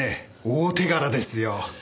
大手柄ですよ。